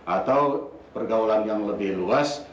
atau pergaulan yang lebih luas